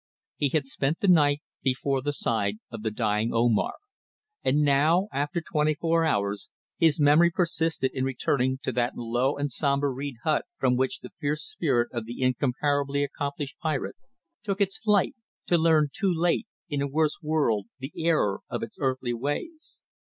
He had spent the night before by the side of the dying Omar, and now, after twenty four hours, his memory persisted in returning to that low and sombre reed hut from which the fierce spirit of the incomparably accomplished pirate took its flight, to learn too late, in a worse world, the error of its earthly ways.